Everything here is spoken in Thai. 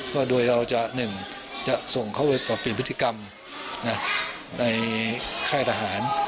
ก็โดยเราจะ๑จะส่งเขาไปปรับเปลี่ยนพฤติกรรมในค่ายทหาร